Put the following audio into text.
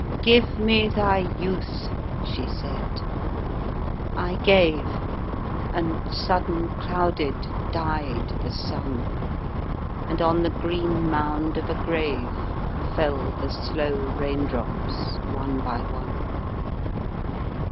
" Give me thy youth," she said. I gave. And, sudden clouded, died the sun. And on the green mound of a grave Fell the slow raindrops, one by one.